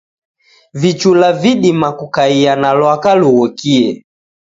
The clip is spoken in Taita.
Vichula vidima kukaia na lwaka lughokie.